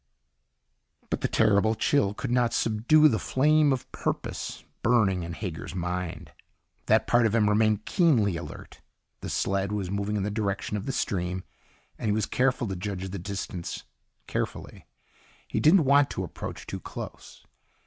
But the terrible chill could not subdue the flame of purpose burning in Hager's mind. That part of him remained keenly alert. The sled was moving in the direction of the stream, and he was careful to judge the distance carefully. He didn't want to approach too close.